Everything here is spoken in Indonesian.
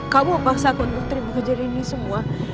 kamu paksaku untuk terima kejadian ini semua